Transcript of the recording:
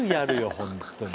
本当に。